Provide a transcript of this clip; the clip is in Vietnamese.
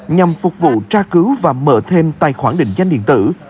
nhằm phục vụ tra cứu và mở thêm tài khoản định danh điện tử